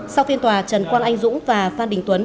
sau phiên tòa trần quang anh dũng và phan đình tuấn